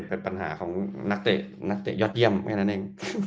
เป็นปัญหาของนักเตะนักเตะยอดเยี่ยมแค่นั้นเอง